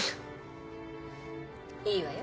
いいわよ。